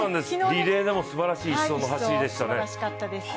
リレーでもすばらしい１走の走りでしたね。